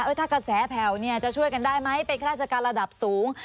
ถ้ากระแสแผ่วเนี่ยจะช่วยกันได้ไหมเป็นข้าราชการระดับสูง